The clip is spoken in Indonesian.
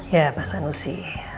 ya pak sanusi